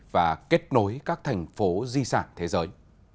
và kết nối các thành phố di sản thế giới